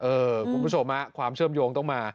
คุณผู้ชมฮะความเชื่อมโยงต้องมา